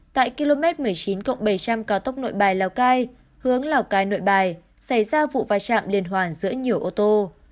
tại km một mươi chín bảy trăm linh cao tốc nội bài lào cai hướng lào cai nội bài xảy ra vụ va chạm liên hoàn giữa nhiều ô tô